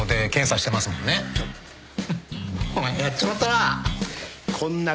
お前やっちまったな。